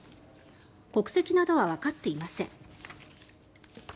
国籍などはわかっていません。